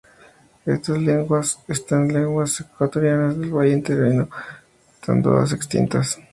Ente estas lenguas están las lenguas ecuatorianas del valle interandino, que están todas extintas.